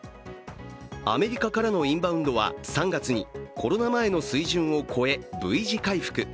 アメリカからのインバウンドは３月にコロナ前の水準を超えＶ字回復。